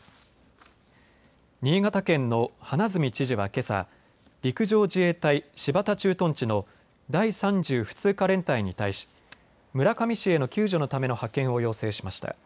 新潟県の花角知事は、けさ陸上自衛隊新発田駐屯地の第３０普通科連隊に対し村上市への救助のための派遣を要請しました。